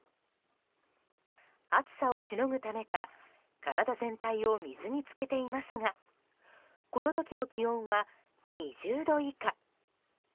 暑さをしのぐためか体全体を水に浸けていますがこの時の気温は２０度以下。